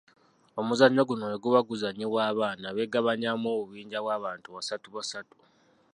"Omuzannyo guno bwe guba guzannyibwa, abaana beegabanyaamu obubinja bw’abantu basatu basatu."